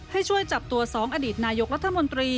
ให้ช่วยจับตัวสองอดิษฐ์นายกรัฐมนตรี